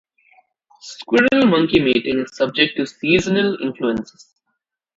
Squirrel monkey mating is subject to seasonal influences.